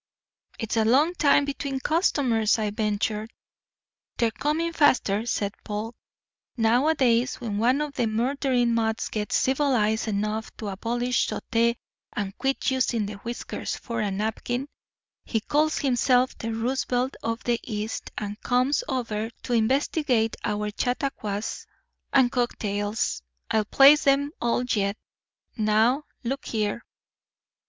"It's a long time between customers," I ventured. "They're coming faster," said Polk. "Nowadays, when one of the murdering mutts gets civilised enough to abolish suttee and quit using his whiskers for a napkin, he calls himself the Roosevelt of the East, and comes over to investigate our Chautauquas and cocktails. I'll place 'em all yet. Now look here."